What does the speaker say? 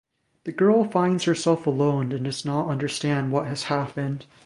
The girl finds herself alone and does not understand what has happened.